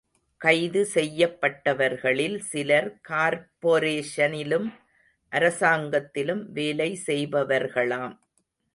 கைது செய்யப்பட்டவர்களில் சிலர் கார்பொரேஷனிலும், அரசாங்கத்திலும் வேலை செய்பவர்களாம்.